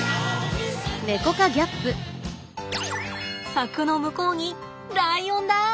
柵の向こうにライオンだ！